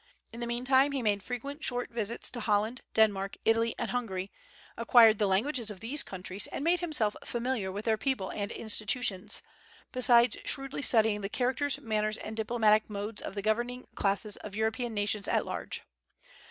In the meantime he made frequent short visits to Holland, Denmark, Italy, and Hungary, acquired the languages of these countries, and made himself familiar with their people and institutions, besides shrewdly studying the characters, manners, and diplomatic modes of the governing classes of European nations at large.